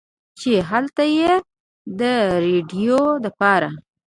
چې هلته ئې د رېډيو دپاره